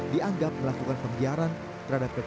dianggap melakukan pembiaran terhadap pp